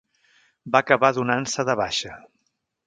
Va acabar donant-se de baixa.